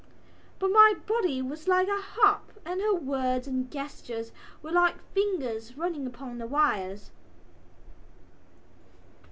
But my body was like a harp and her words and gestures were like fingers running upon the wires.